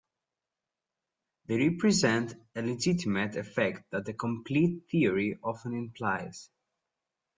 They represent a legitimate effect that a complete theory often implies.